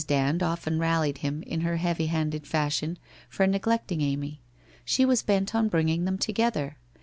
Dand often rallied him in her heavy handed fashion for neglecting Amy. She was bent on bringing them together.